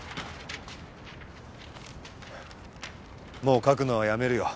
もう書くのはやめるよ。